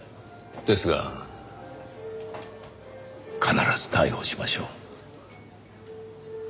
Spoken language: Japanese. ですが必ず逮捕しましょう。